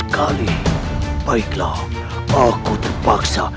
kenapa ini bisa sempadan dengan penjelasan itu dari conducted by fisher